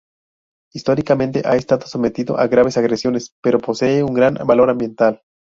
Históricamente ha estado sometido a graves agresiones pero posee un gran valor ambiental.